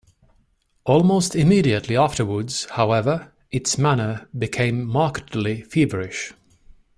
Almost immediately afterwards, however, its manner became markedly feverish.